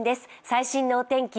最新のお天気